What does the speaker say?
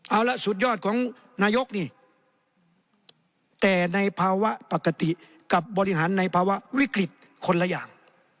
เอาละสุดยอดของนายกนี่แต่ในภาวะปกติกับบริหารในภาวะวิกฤตคนละอย่าง